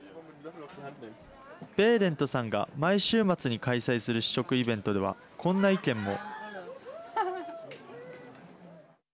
ベーレントさんが毎週末に開催する試食イベントではこんな意見も。